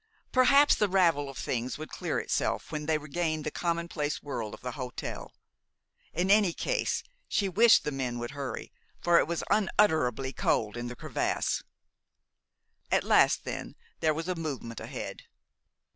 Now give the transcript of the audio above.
Perhaps the ravel of things would clear itself when they regained the commonplace world of the hotel. In any case, she wished the men would hurry, for it was unutterably cold in the crevasse. At last, then, there was a movement ahead.